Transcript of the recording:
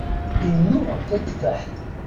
Innuɣ tatefaḥt.